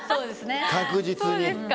確実に。